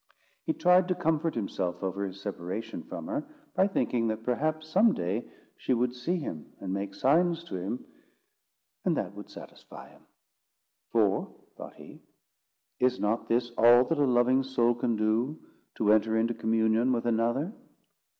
He tried to comfort himself over his separation from her, by thinking that perhaps some day she would see him and make signs to him, and that would satisfy him; "for," thought he, "is not this all that a loving soul can do to enter into communion with another?